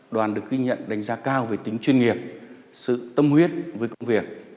đoàn được ghi nhận đánh giá cao về tính chuyên nghiệp sự tâm huyết với công việc